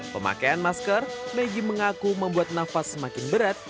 pemakaian masker maggie mengaku membuat nafas semakin berat